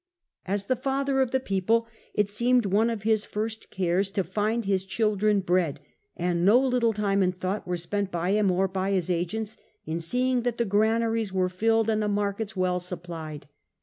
As the father of the people, it seemed one of his jLt). 41 54. Claudius. 91 first cares to find his children bread, and no little time and thought were spent by him or by his agents in seeing that the granaries were filled and the wxjvisioning markets well supplied.